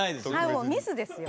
はいもうミスですよ。